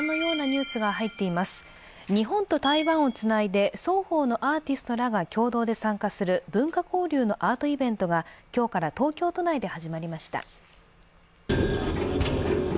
日本と台湾をつないで双方のアーティストらが共同で参加する文化交流のアートイベントが今日から東京都内で始まりました。